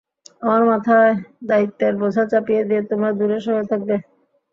আমার মাথায় দায়িত্বের বোঝা চাপিয়ে দিয়ে তোমরা দূরে সরে থাকবে?